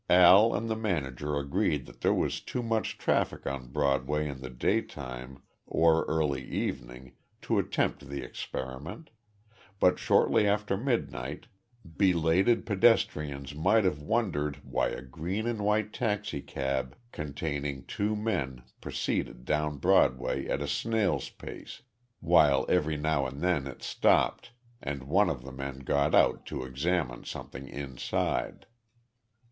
Al and the manager agreed that there was too much traffic on Broadway in the daytime or early evening to attempt the experiment, but shortly after midnight, belated pedestrians might have wondered why a Green and White taxicab containing two men proceeded down Broadway at a snail's pace, while every now and then it stopped and one of the men got out to examine something inside.